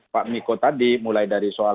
pak miko tadi mulai dari soal